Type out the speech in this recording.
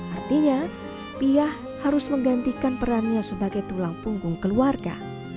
artinya piyah harus menggantikan perannya sebagai tulang punggung keluarga